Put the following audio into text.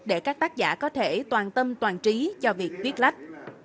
để các tác giả có thể toàn tâm toàn trí cho việc viết lách